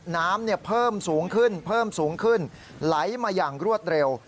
น้ำเพิ่มสูงขึ้นไหลมาอย่างรวดเร็ว